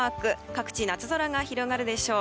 各地、夏空が広がるでしょう。